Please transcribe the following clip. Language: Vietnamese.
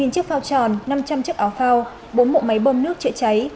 một chiếc phao tròn năm trăm linh chiếc áo phao bốn bộ máy bơm nước chữa cháy